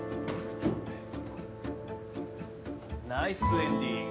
ナイスエンディング。